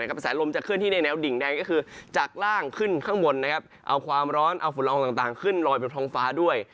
กระแสลมจะเคลื่อนที่ในแววดิ่งแดงก็คือจากล่างขึ้นข้างบนเอาความร้อนเอาฝุ่นละอองต่างขึ้นลอยบนท้องฟ้าด้วย